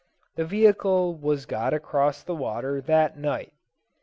The vehicle was got across the river that night.